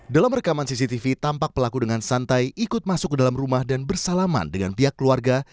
dalam rekaman cctv tampak pelaku dengan santai ikut masuk ke dalam rumah dan bersalaman dengan pihak keluarga